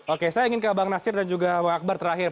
oke saya ingin ke bang nasir dan juga bang akbar terakhir